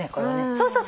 そうそう。